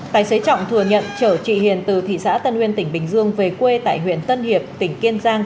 tài xế trọng thừa nhận chở chị hiền từ thị xã tân uyên tỉnh bình dương về quê tại huyện tân hiệp tỉnh kiên giang